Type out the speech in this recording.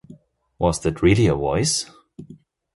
Was that really a voice?